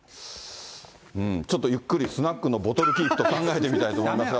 ちょっとゆっくりスナックのボトルキープと考えてみたいと思いますが。